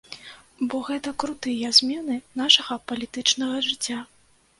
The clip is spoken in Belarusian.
Бо гэта крутыя змены нашага палітычнага жыцця.